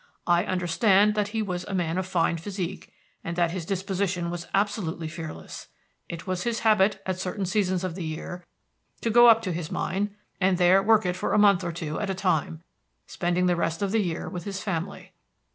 I understand that he was a man of fine physique, and that his disposition was absolutely fearless. It was his habit at certain seasons of the year to go up to his mine, and there work it for a month or two at a time, spending the rest of the year with his family.